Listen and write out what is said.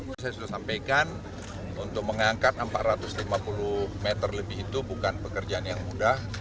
saya sudah sampaikan untuk mengangkat empat ratus lima puluh meter lebih itu bukan pekerjaan yang mudah